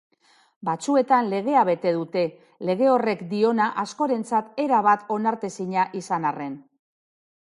Batzuetan legea bete dute, lege horrek diona askorentzat erabat onartezina izan arren.